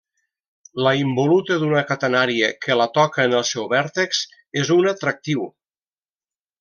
La involuta d'una catenària que la toca en el seu vèrtex és una tractriu.